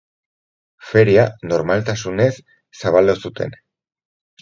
Feria normaltasunez zabaldu zuten.